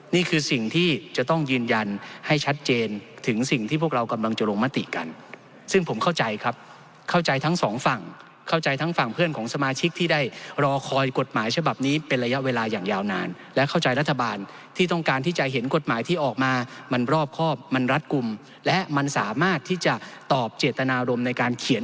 นี่คือสิ่งที่จะต้องยืนยันให้ชัดเจนถึงสิ่งที่พวกเรากำลังจะลงมติกันซึ่งผมเข้าใจครับเข้าใจทั้งสองฝั่งเข้าใจทั้งฝั่งเพื่อนของสมาชิกที่ได้รอคอยกฎหมายฉบับนี้เป็นระยะเวลาอย่างยาวนานและเข้าใจรัฐบาลที่ต้องการที่จะเห็นกฎหมายที่ออกมามันรอบครอบมันรัดกลุ่มและมันสามารถที่จะตอบเจตนารมณ์ในการเขียน